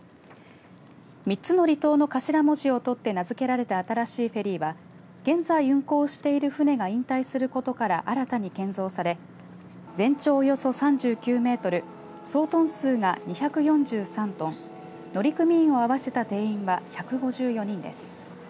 ３つ離島の頭文字を取って名付けられた新しいフェリーは現在運航している船が引退することから新たに建造され全長およそ３９メートル総トン数が２４３トン乗組員を合わせた定員は１５４人です。